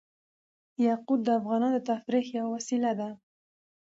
یاقوت د افغانانو د تفریح یوه وسیله ده.